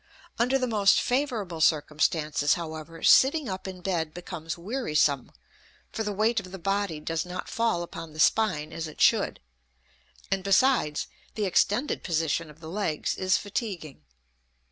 Under the most favorable circumstances, however, sitting up in bed becomes wearisome, for the weight of the body does not fall upon the spine, as it should; and besides the extended position of the legs is fatiguing.